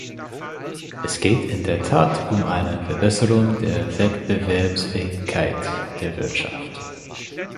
Es geht in der Tat um eine Verbesserung der Wettbewerbsfähigkeit der Wirtschaft.